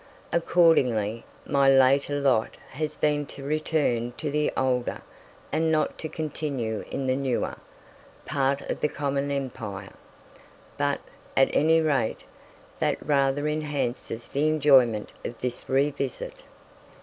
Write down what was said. Accordingly, my later lot has been to return to the older, and not to continue in the newer, part of the common empire. But, at any rate, that rather enhances the enjoyment of this re visit.